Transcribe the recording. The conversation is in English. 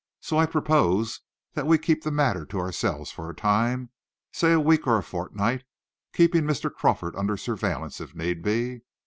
So I propose that we keep the matter to ourselves for a time say a week or a fortnight keeping Mr. Crawford under surveillance, if need be.